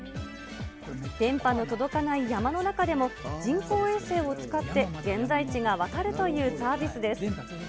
電波の届かない山の中でも、人工衛星を使って現在地が分かるというサービスです。